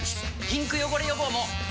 ピンク汚れ予防も！